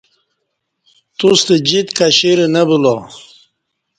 توستہ جیت کشیرہ نہ بولا